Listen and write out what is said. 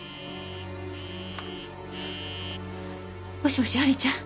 もしもし亜美ちゃん？